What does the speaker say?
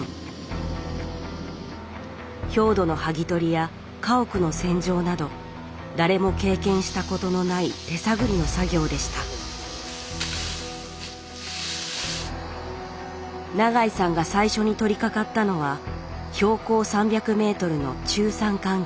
表土の剥ぎ取りや家屋の洗浄など誰も経験したことのない手探りの作業でした永井さんが最初に取りかかったのは標高３００ｍの中山間地域。